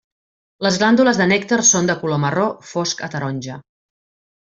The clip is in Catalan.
Les glàndules de nèctar són de color marró fosc a taronja.